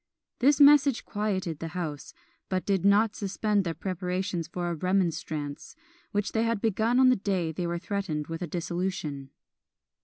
This message quieted the house, but did not suspend their preparations for a "Remonstrance," which they had begun on the day they were threatened with a dissolution.